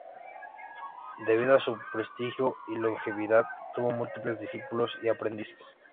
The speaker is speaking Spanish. Debido a su prestigio y longevidad, tuvo múltiples discípulos y aprendices.